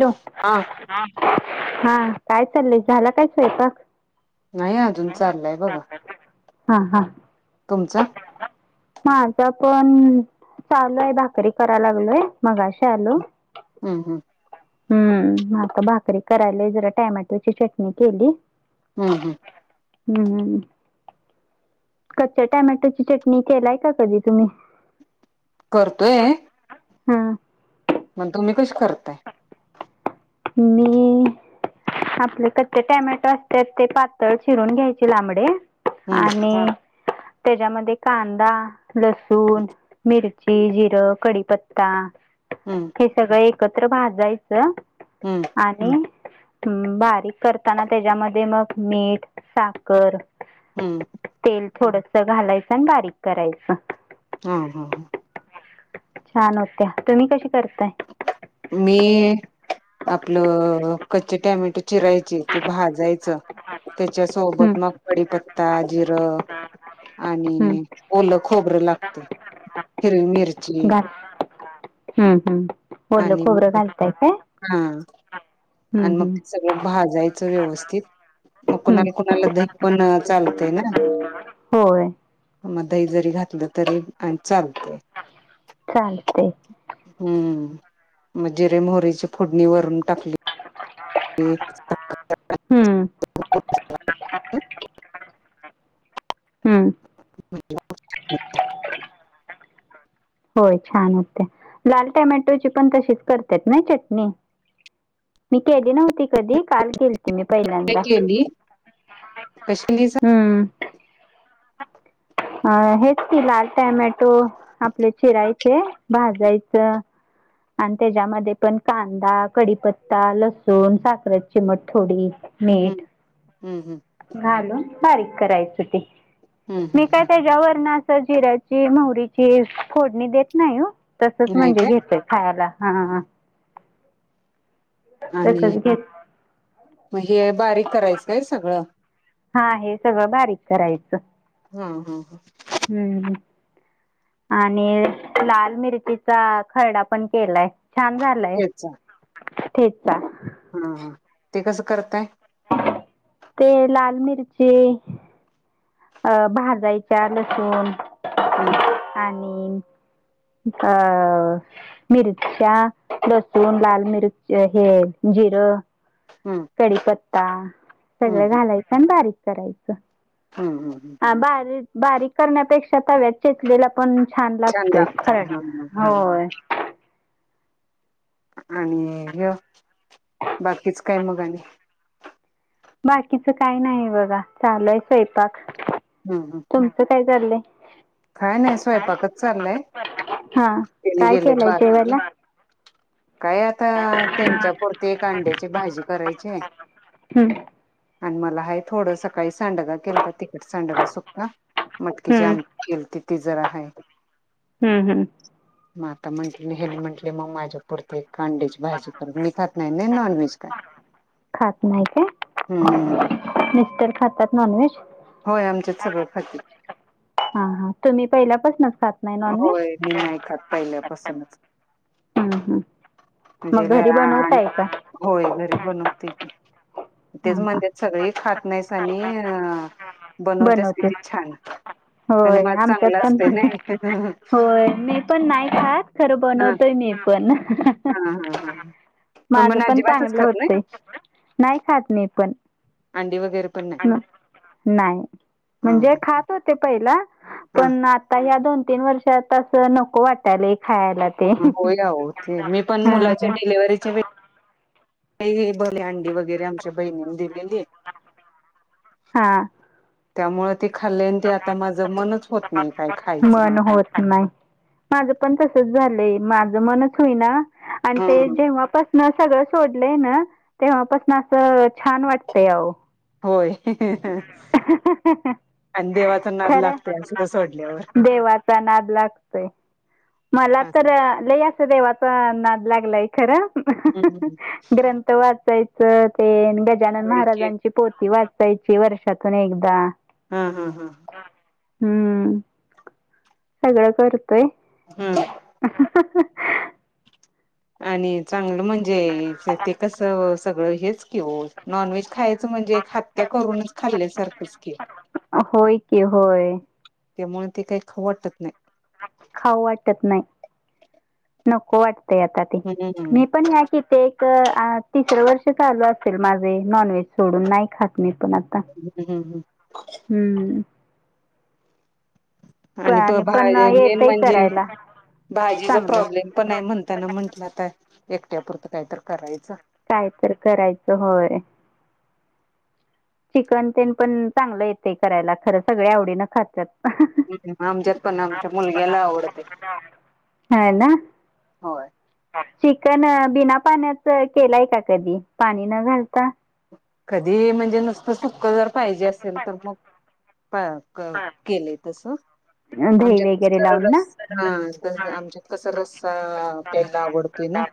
Hello? हा हा काय चाललंय? झाला काय स्वयंपाक? नाही अजून चाललाय बघा हा, हा. तुमचा माझं पण चालू आहे, भाकरी करायला लागलोय. मगाशी आलो. हम्म हम्म हम्म, आता भाकरी करायला जरा टमॅटोची चटणी केली. हम्म, हम्म. हम्म, हम्. कच्च्या टमॅटोची चटणी केलाय का कधी तुम्ही हां मण तुम्ही कशी करताय मी आपले कच्चे टमॅटो असत ते पातळ चिरून घ्यायचे लांबडे हम्म आणि त्याच्यामध्ये कांदा लसूण मिरची जिरं कडीपत्ता हम्म हे सगळं एकत्र भाजायचं हम्म आणि बारीक करताना त्याच्यामध्ये मग मीठ साखर हम्म. तेल थोडस घालायचं आणि बारीक करायचं. हा. हा. हा. छान होत्या, तुम्ही कशी? करताय मी आपलं कच्चे टॅमेटो चिरायची ते भाजायचं, त्याच्या हम्म, सोबत मग कडीपत्ता जिरं हम्म. आणि ओलं खोबरं लागतय, हिरवी मिरची घाल हम्म, हम्म. ओलं आणि खोबरं मग, घालताय काय हा. हम्म, आणि मग, हम्म. सगळं भाजायच व्यवस्थित, मग हम्म. कुणाला, कुणाला दही पण चालतय ना. होय. मग दही जरी घातलं तरी आणि चाल चालते हम्म मग जिरे मोहरीची फोडणी वरून टाकली ते हम्म हम् ह होय छान होते लाल टमॅटोची पण तशीच करतात ना चटणी मी केली नव्हती कधी काल केलती मी काय पहिल्यांदा केली कशी केलीस हम्म अ हेच ती लाल टमॅटो आपले चिरायचे भाजायच हां आणि त्याच्यामध्ये पण कांदा कडीपत्ता लसूण साखर चि मट थोडी हम्म मीठ हम्म हम्म घालून बारीक करायच ते हम्म मी हम्म काय हम्म त्याच्यावर ना असं जिऱ्याची मोहरीची फोडणी देत नाही हो तसच नाही म्हणजे काय घेतय खायला हा आणि तसच घेत मग हे बारीक करायचं काय सगळं हा हे सगळं बारीक करायचं हा हा हा हम्म ह आणि लाल मिर्रचीचा खरडा पण केलाय छान झालंय चचा हम्म हम ते कसं करतय ते लाल मिरची अ भाजायच्या लसूण हम हो अ मिरच्या लसून लाल मिरच हे जिरं हम्म कडीीपत्ता सगळं घालायचं आणि बारीक करायचं हम् हम हम् हा बारीक बारीक करण्यापेक्षा तव्यात चेचलेला पण छान लागतय खर होय आणि घ बाकीच काय मगा आणि बाकीच काही नाही बघा चालूय स्वयंपाक हा हा तुमचं काय चाललंय? काय नाही स्वयंपाकच चाललंय. हा हेनी काय गेलेत केलंय बाजाराला जेवायला काय आता, त्यांच्या पुुरती एक अंड्याची भाजी करायची. हम्म आणि मला हाय थोडं सकाळी सांडग केलत. तिखट सांडग सुख्ख मटकीची हम्म आम िती जर आहे हम्म हम्म म आता म्हंटली हनी म्हंटले मग माझ्या पुुरती खांडीची भाजी पर मििकत नाही नाही नॉनव्हेज काय खात हम्म नाही का होय आमच्यात मिस्र सगळं खाते ख [inaudible] होय मी नाही ऐकात पहिल्यापासूनच हं, हं. म्हणजे मग घरी बनवताय का हा होय घरी बनवते क तेच हा म्हणजे सगळी खात नाहीस आणि अ बनवतेस बनवते किती छान आणि होय मला आमच्यात चांगलं पण असते ना होय मी पण नाही खात खरं बनवतोय मी पण हा हा हा ह माझ पण चांगलं होतय नाही खात नाही पण अंडी वगैरे पण नाही नाही म्हणजे ह खात होते पहिला ह पण आता या दोन तीन वर्षात अस नको वाटायला होय आहो, ते मी पण मुलाच्या हा डिलेव्हरिच्या वेळी काय नाही. भरले अंडी वगैरे आमच्या बहिणीनी दिली. हा त्यामुळे ते खाल्ल आणि ते आता माझं मनच होत नाही काय खायचं. माझ पण तसच झालंय माझं मनच होईना आणि ते हम्म. जेव्हापासू न सगळं सोडलंय ना तेव्हापासन असं छान वाटतय अहो, होय. आणि देवाचा नाद खरं लागतोय असलं सोडल्यावर. देवाचा नाद लागतोय. मला तर असं. लय असं देवाचा नाद लागलाय. खरं, हम्म हम्म. ग्रंथ वाचाय च तेन गजानन होय की महाराजांची पोती वाचायची वर्षातून एकदा हा हा हा हम्म सगळं करतोय, हम्म [unintelligible] आणि चांगलं म्हणजे क ते कसं सगळं हेच की वो नॉनव्हेज खायाच म्हणजे हत्या करून, खाल्या सारखंच की. होय की होय. त्यामुळे ते काही खाऊ वाटत नाही. खाऊ वाटत नाही नको वाटत. आता ते हम्म हम्म मी पण ह्या किती एक तिसरं वर्ष चालू अस ल माझे नॉनव्हेज सोडून नाही खात मी. पण आता हम्म हम्म. हम्म. पण आणि तो पण भाज्या मेन येतंय म्हणजे, करायला भाजीचा चांगलं प्रॉब्लेम पण आहे म्हणताना म्हंटलं आता एकट्यापुरतं काय तर करायचं? काय तर करायचं होय. चिकन तेन पण चांगलं येते करायला खरं सगळे आवडीनं खातात. आमच्यात पण आमच्या मुलग्याला आवडते. होय. [inaudible] पण बिना पाण्याच केलाय का कधी पाणी न घालता. कधी म्हणजे नुसतं सुख जर पाहिजे असेल तर मग. केले तस. दही आमच्या वगैरे र लावून ना हा आमच्या कसा रस्सा प्यायला आवडतोय. ना.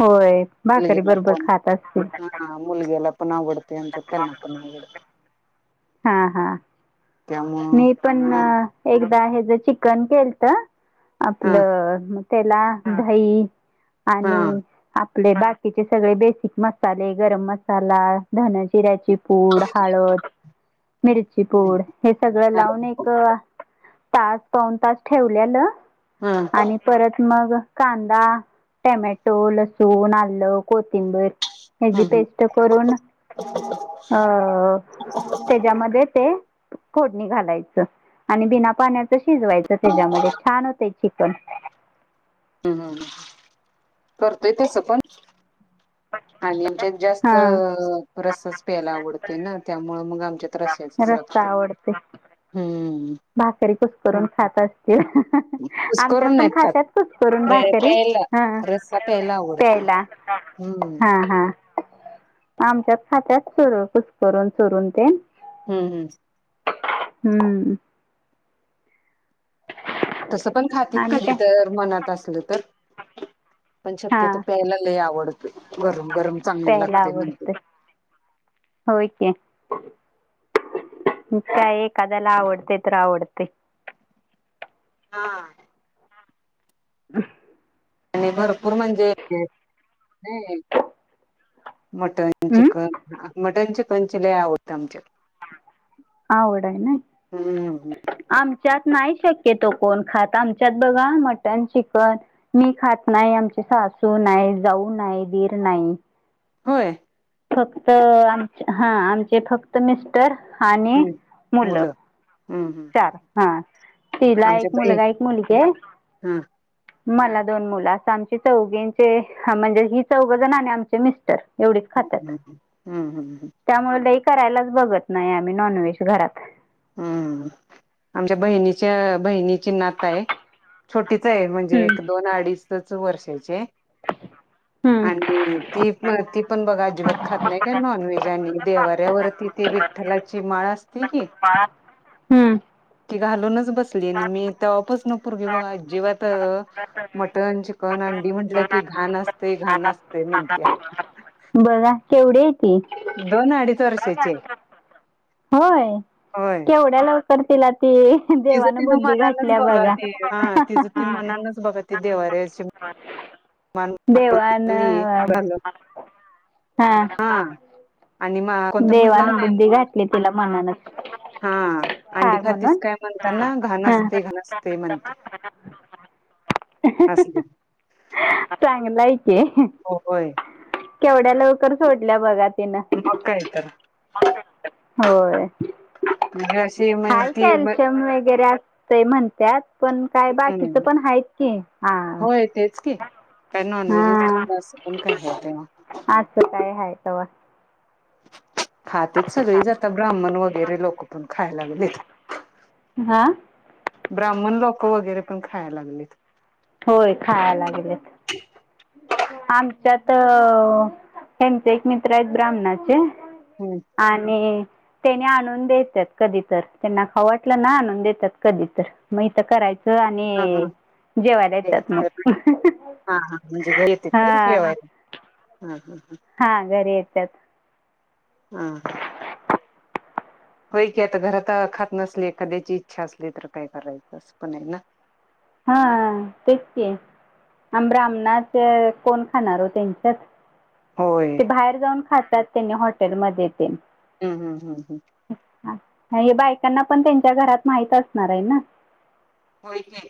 होय भाकरी मुलग्याला बरोबर पण खात असतील. हा मुलग्याला पण आवडते. आमच्या त्यांना पण आवडते. हा हा त्यामुळं मी पण हा एकदा हेच चिकन केलंत. हा आपलं त्याला दही हा आणि आप ले बाकीचे सगळे बेसिक मसाले, गरम मसाला, धना-जिऱ्याची पूड हळद, मिरची पूड हे सगळं हा लावून एक तास पाऊण तास ठेवल्यालं हा आणि परत मग कांदा, टोमॅटो, लसूण, आल, को थिंबीर हेची ह पेस्ट करून अ त्याच्यामध्ये ते फोडणी घालायचं. आणि बिना पाण्याच शिजवायच त्याच्यामध्ये छान होते चिकन. हम्म हम करतोय तस पण. आणि आमच्यात जास्त हा. रस्साच प्यायला आवडतोय ना त्यामु मग आमच्या रस्स्याचच रस्सा लागते. आवडते हम्म. भाकरी कुसकरून खात असतील. कुस आमच्यात करून पण नाहीत खात खातत कुसकारून भाकरी प्यायला ह रस्सा प्यायला आवडतोय प्यायला. हम्म. हा हा आमच्यात खात्यात कुसकारून करून चोरून ते. हम्म हम्म. हम्म! तसं पण खाते आणि कधी काय तर मनात असलं तर. पण हा शक्यतो प्यायलालाही आवडत गरम गरम चांगली प्यायला लागते म्हणते. आवडते होय की. काय एखाद्याला आवडते तर आवडते. हा. आणि भरपूर म्हणजे मटण हम्म. चिकन मटण चिकन लय आवडते आमच्यात. आवड आहे ना हम्म आम- त नाही शक्य तो कोण खात आमच्यात बघा मटन चिकन मी खात नाही आमच्या- सासू नाही जाऊ नाही दीर नाही. होय. फक्त आम हा आमचे फक्त मिस्टर. आणि हम्म मुलं. हम्म हम्म चार हम्म. हा तिला आमच्या एक बाई मुलगा एक मुलगी आहे. हा मला दोन मुलं अस आमची चौघींचे म्हणजे ही चौघजण आणि आमचे मिस्टर एवढीच खातात हम् हम् हम् हम त्यामुळे लई करायलाच बघत नाही आम्ही नॉनव्हेज घरात हम्म आमच्या बहिणीच्या बहिणी नात आहे छोटीच आहे म्हणजे हम्म एक दोन अडीचच वर्षाचे हम्म आणि ती प ती पण बघा अजिबात खात नाही का नॉनव्हेज ज्यांची विठ्ठलाच्यां देणाऱ्यांवर ती ते विठ्ठलाची माळ असतें की माळा हम्म की घालूनंच बसंली मी ते वापच नपूरे बघा जेंव्हा मटन चीकन पण अंडी म्हटलं की घाण असतते घाण असतय म्हणत बघा केवढे दोन अडीच वर्षाचे होय केवढ्या लवकर तला ती तिचं देवान तिनं बुद्धी मनानच घातल्या बघा ते हा तिचं ती मनानच बघा ते देवाार्याचे देवाण हा आणि मग कोणतर म्हटलं का देवान नाही बुद्धी मला घातली तिला मनानच हा खा अंडी खातीस म्हणून काय म्हणतातना घाण हा. असते घाण असते म्हणते असले ज्ञज्ञ हो होय केवढ्या लवकर सोडल्या बघात मंग कायं तर होय वेळ अशी म्हण हाय ती कॅल्शियंम वगैरे असतंय म्हणतात पणं कायं बाकीचं हम्म पणं हांयच की हा होय तेच की काय नॉन व्हेजच खलं हा असं पण काय ते अवा खातेच सगळी जात ब्राह्मण वगैरे लोक पण खायलागले हा ब्राह्मण लोक वगैरे पण खायला लागलेत होय खाला गेले आम त्याच्यात हेच एक मित्र आहेत ब्राह्मणाचे हम्म आणि त्याने आणून देतात कधी तर त्यांना ख वाटलं ना आणून देतात कधी तर मग तर करायचं हो हा आणि हा जेवायला द्यायच येतात काय मग हा हा म्हणजे घरी येतेत काय हा जेवायला हा हा हा घरी येतच हम हा होय की आता घरात अखात नसले एखाद्याची इच्छा असली तर काय करायचं अस पण आहे ना हा तेच आहे आ ब्राह्मणात कोण खाणार हो त्यांच्यात होय ते बाहेर जाऊन खातात त्यांनी हॉटेलमध्येध्ये ते हम् हम्म हम् हम्म हे बायकांना पण त्यांच्या घरात माहित असणार आहे ना होच नाही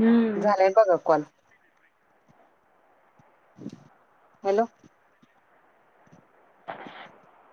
हम्म झालंय बघा कॉल हॅलो [unintelligible]